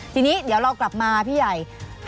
ทีนี้เดี๋ยวเรากลับมาพี่ใหญ่